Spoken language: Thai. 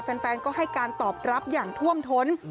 แฟนก็ให้การตอบรับอย่างท่วมท้น